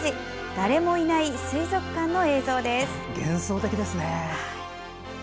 誰もいない水族館の映像です。